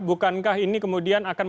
bukankah ini kemudian akan